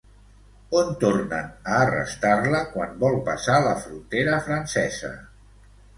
On tornen a arrestar-la quan vol passar la frontera francesa?